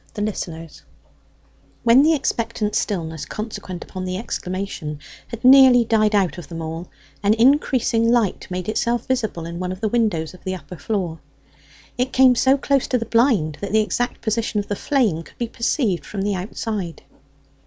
THE LISTENERS When the expectant stillness consequent upon the exclamation had nearly died out of them all, an increasing light made itself visible in one of the windows of the upper floor. It came so close to the blind that the exact position of the flame could be perceived from the outside.